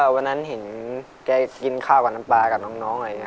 วันนั้นเห็นแกกินข้าวกับน้ำปลากับน้อง